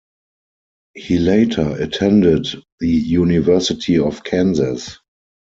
He later attended the University of Kansas.